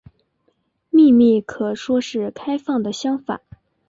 秘密可说是开放的相反。